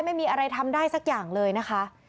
ไม่มีธรรมได้สักอย่างเลยนะคะ